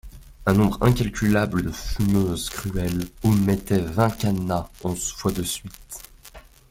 Un nombre incalculable de fumeuses cruelles omettait vingt cadenas onze fois de suite.